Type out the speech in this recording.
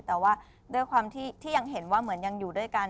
แต่ว่าด้วยความที่ยังเห็นว่าเหมือนยังอยู่ด้วยกัน